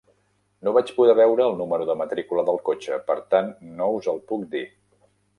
No vaig poder veure el número de matrícula del cotxe, per tant no us el puc dir.